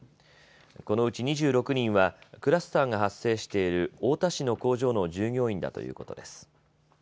このうち２６人はクラスターが発生している太田市の工場の従業員だということです。